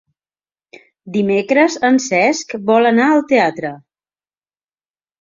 Dimecres en Cesc vol anar al teatre.